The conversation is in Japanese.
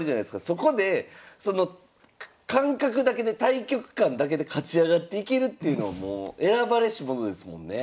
そこでその感覚だけで大局観だけで勝ち上がっていけるっていうのはもう選ばれし者ですもんね。